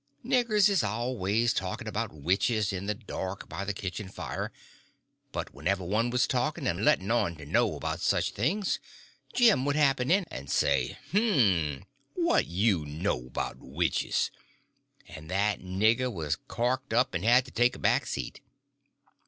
Niggers is always talking about witches in the dark by the kitchen fire; but whenever one was talking and letting on to know all about such things, Jim would happen in and say, "Hm! What you know 'bout witches?" and that nigger was corked up and had to take a back seat.